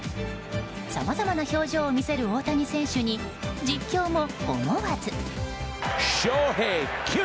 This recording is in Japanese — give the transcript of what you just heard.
さまざまな表情を見せる大谷選手に実況も思わず。